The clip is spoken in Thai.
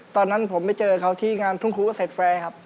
ตอนนั้นผมไปเจอเขาที่งานทุ่งครูเกษตรแฟร์ครับ